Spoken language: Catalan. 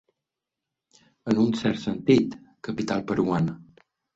En un cert sentit, capital peruana.